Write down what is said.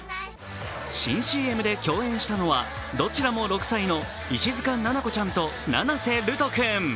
新ＣＭで共演したのは、どちらも６歳の石塚七菜子ちゃんと七瀬瑠斗君。